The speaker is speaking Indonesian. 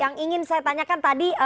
yang ingin saya tanyakan tadi